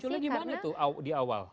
itu munculnya gimana tuh di awal